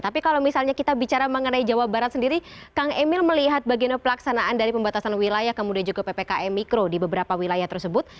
tapi kalau misalnya kita bicara mengenai jawa barat sendiri kang emil melihat bagian pelaksanaan dari pembatasan wilayah kemudian juga ppkm mikro di beberapa wilayah tersebut